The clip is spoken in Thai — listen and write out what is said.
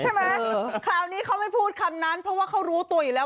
ใช่ไหมคราวนี้เขาไม่พูดคำนั้นเพราะว่าเขารู้ตัวอยู่แล้ว